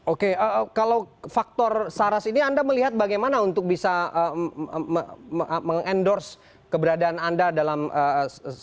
oke kalau faktor saras ini anda melihat bagaimana untuk bisa mengendorse keberadaan anda dalam situasi